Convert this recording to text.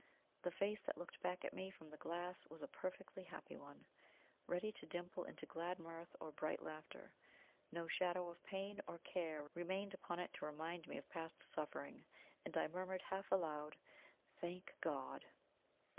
The face that looked back at me from the glass was a perfectly happy one, ready to dimple into glad mirth or bright laughter. No shadow of pain or care remained upon it to remind me of past suffering, and I murmured half aloud: "Thank God!"